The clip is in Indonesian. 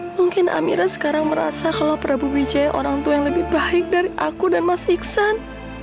mungkin amira sekarang merasa kalau prabu wijaya orang tua yang lebih baik dari aku dan mas iksan